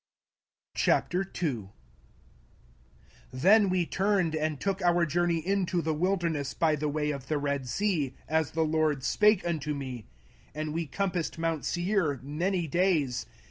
05:002:001 Then we turned, and took our journey into the wilderness by the way of the Red sea, as the LORD spake unto me: and we compassed mount Seir many days.